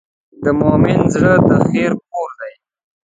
د مؤمن زړه د خیر کور دی.